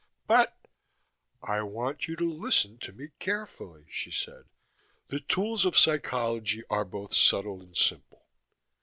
"But " "I want you to listen to me carefully," she said. "The tools of psychology are both subtle and simple.